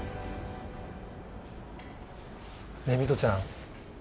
ねえ美都ちゃん。